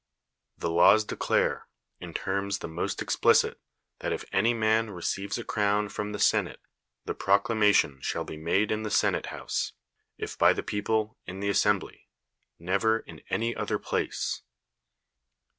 The laws declare, in terms the most explicit, that if any man receives a crown from the senate, the proclamation shall be made in 198 ffiSCHINES the senate house ; if by the people, in the as ferably; never in any other phice.